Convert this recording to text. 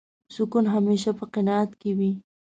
سکون همېشه په قناعت کې وي.